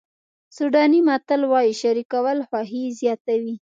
سوډاني متل وایي شریکول خوښي زیاتوي.